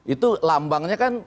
itu lambangnya kan